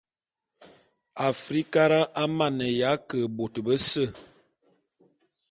Afrikara a maneya ke bôt bese.